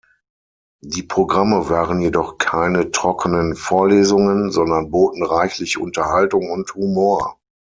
Die Programme waren jedoch keine trockenen Vorlesungen, sondern boten reichlich Unterhaltung und Humor.